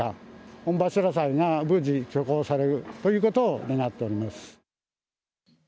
御柱祭が無事、挙行されるということを願っています。